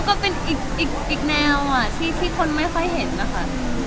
ก็เป็นอีกแนวที่คนไม่ค่อยเห็นนะคะ